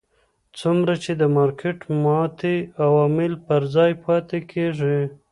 څومره چې د مارکېټ ماتې عوامل پر ځای پاتې کېږي.